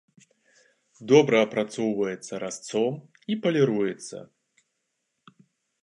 Добра апрацоўваецца разцом і паліруецца.